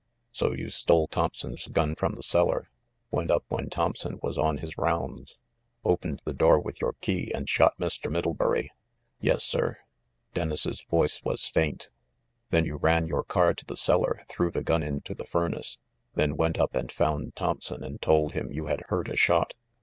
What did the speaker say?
"So you stole Thompson's gun from the cellar, went up when Thompson was on his rounds, opened the door with your key, and shot Mr. Middlebury?" "Yes, sir !" Dennis' voice was faint. "Then you ran your car to the cellar, threw the gun into the furnace, then went up and found Thompson and told him you had heard a shot